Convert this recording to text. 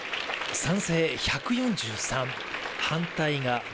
賛成１４３、反対が５。